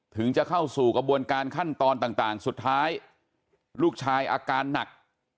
ถึงจะเข้าสู่กระบวนการขั้นตอนต่างสุดท้ายลูกชายอาการหนัก